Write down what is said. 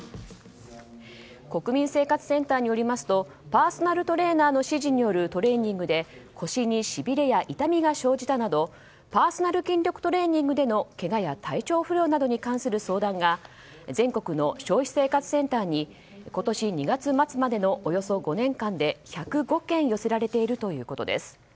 国民生活センターによりますとパーソナルトレーナーの指示によるトレーニングで腰にしびれや痛みが生じたなどパーソナル筋力トレーニングでのけがや体調不良などに関する相談が全国の消費生活センターに今年２月末までのおよそ５年間で、１０５件寄せられているということです。